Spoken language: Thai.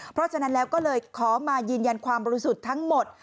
เพราะฉะนั้นแล้วก็เลยขอมายืนยันความบริสุทธิ์ทั้งหมด